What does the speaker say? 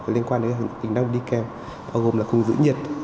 liên quan đến tính đăng đi kèm bao gồm là khung giữ nhiệt